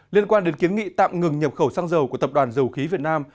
liên quan đến kiến nghị tạm ngừng nhập khẩu xăng dầu của tập đoàn dầu khí việt nam